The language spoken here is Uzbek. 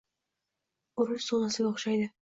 urush zonasiga o'xshaydi